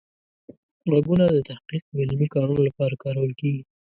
غږونه د تحقیق او علمي کارونو لپاره کارول کیږي.